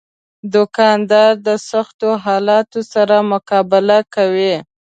دوکاندار د سختو حالاتو سره مقابله کوي.